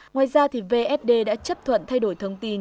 ngoài ra vsd đã chấp thuận thay đổi thông tin